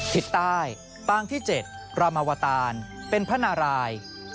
ทิศใต้ปางที่๗รามวตารเป็นพระนาราย